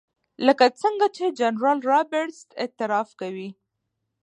لکه څنګه چې جنرال رابرټس اعتراف کوي.